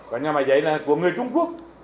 có nhà máy giấy là của người trung quốc